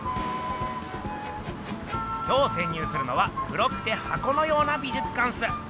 今日せん入するのは黒くて箱のような美術館っす。